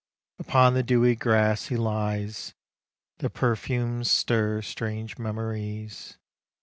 Upon the dewy grass he lies : The perfumes stir strange memories.